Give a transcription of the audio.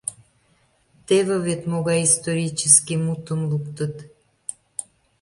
Теве вет могай исторический мутым луктыт.